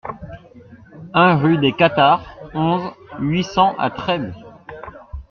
un rue des Cathares, onze, huit cents à Trèbes